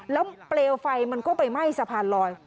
แล้วเปลวไฟมันก็ไปไหม้สะพานลอย